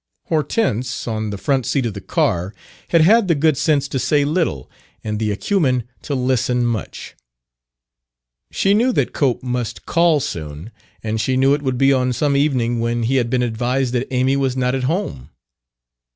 Hortense, on the front seat of the car, had had the good sense to say little and the acumen to listen much. She knew that Cope must "call" soon, and she knew it would be on some evening when he had been advised that Amy was not at home.